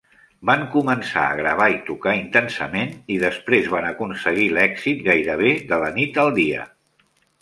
Van començar a gravar i tocar intensament i després van aconseguir l'èxit gairebé de la nit al dia.